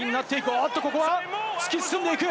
おっと、ここは？突き進んでいく！